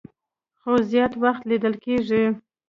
خو زيات وخت ليدل کيږي